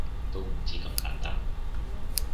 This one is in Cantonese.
都唔止咁簡單